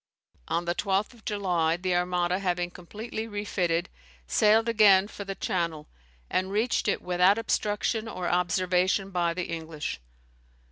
On the 12th of July, the Armada having completely refitted, sailed again for the Channel, and reached it without obstruction or observation by the English.